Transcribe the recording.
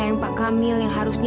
aku nggak bebeda harusnya